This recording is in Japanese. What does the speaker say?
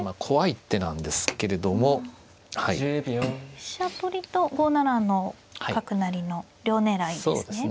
飛車取りと５七の角成りの両狙いですね。